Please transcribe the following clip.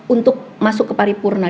untuk masuk ke paripurna